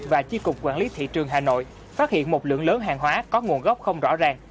và chi cục quản lý thị trường hà nội phát hiện một lượng lớn hàng hóa có nguồn gốc không rõ ràng